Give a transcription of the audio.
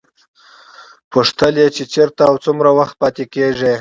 پوښتل یې چې چېرته او څومره وخت پاتې کېږي.